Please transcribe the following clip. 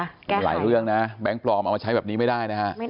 มีหลายเรื่องนะแบงค์ปลอมเอามาใช้แบบนี้ไม่ได้นะฮะ